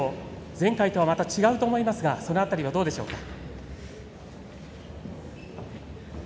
前回とはまた違うと思いますがその辺りはどうでしょうか。